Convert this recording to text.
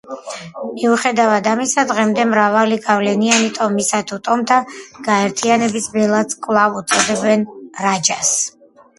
მიუხედავად ამისა, დღემდე მრავალი გავლენიანი ტომისა თუ ტომთა გაერთიანების ბელადს კვლავ უწოდებენ რაჯას.